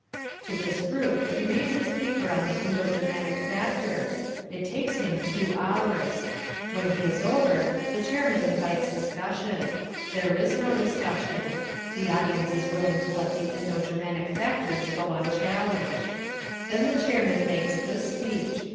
To this group he reads his paper on the Indo Germanic Factor. It takes him two hours. When he is over the chairman invites discussion. There is no discussion. The audience is willing to let the Indo Germanic factors go unchallenged. Then the chairman makes this speech.